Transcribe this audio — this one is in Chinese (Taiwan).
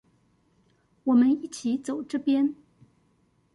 我們一起走這邊